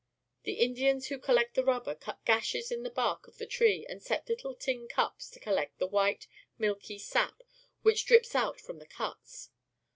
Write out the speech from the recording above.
The Indians who collect the rubber cut gashes in the bark of the tree and set Uttle tin cups to collect the white, milky sap which drips out from the cuts.